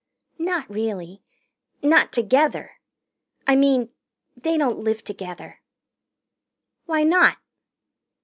"Not really. Not together. I mean they don't live together." "Why not?"